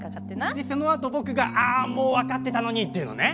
でそのあと僕が「ああもうわかってたのに！」って言うのね。